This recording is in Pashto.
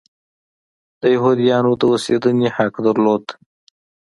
د یهودیانو د اوسېدنې حق درلود.